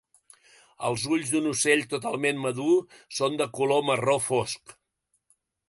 Els ulls d'un ocell totalment madur són de color marró fosc.